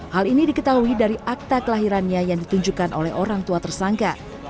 hal ini diketahui dari akta kelahirannya yang ditunjukkan oleh orang tua tersangka